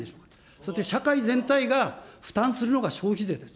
そして社会全体が負担するのが消費税です。